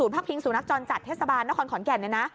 ภาคพิงสูนักจรจัดเทศบาลนครขอนแก่นนะคะ